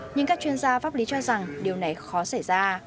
nhưng các chuyên gia pháp lý cho rằng điều này khó xảy ra